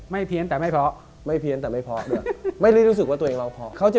เพี้ยนแต่ไม่เพราะไม่เพี้ยนแต่ไม่เพราะด้วยไม่ได้รู้สึกว่าตัวเองเราพอเขาจะ